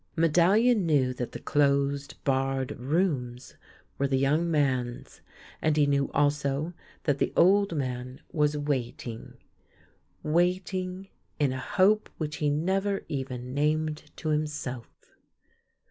Medallion knew that the closed, barred rooms were the young man's ; and he knew also that the old man was waiting, waiting, in a hope which he never even named to himself.